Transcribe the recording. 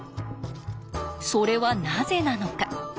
それはなぜなのか？